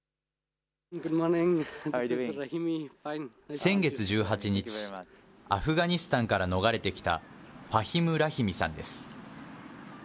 先月１８日、アフガニスタンから逃れてきたファヒム・ラヒミさんです。